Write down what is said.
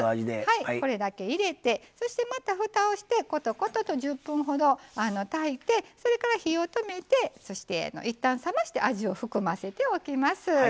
これだけ入れてまた、ふたをしてコトコトと１０分ほど炊いてそして、火を止めてそして、いったん冷まして味を含ませておきます。